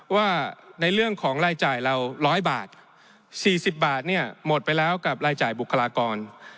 ว่าในเรื่องของรายจ่ายเรา๑๐๐บาท๔๐บาทเนี่ยหมดไปแล้วกับรายจ่ายบุคลากร